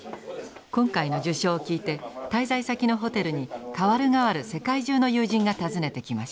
今回の受賞を聞いて滞在先のホテルに代わる代わる世界中の友人が訪ねてきました。